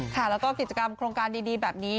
ค่ะแล้วก็กิจกรรมโครงการดีแบบนี้